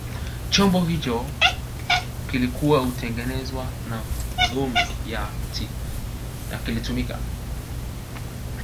Chombo hicho kilikuwa hutengenezwa na magome ya miti na kilitumika